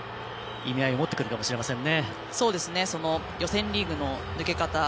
意味合いを持ってくるかもしれませんね。